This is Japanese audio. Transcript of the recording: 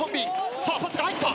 さあパスが入った。